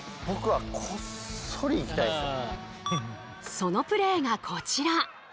そのプレーがこちら。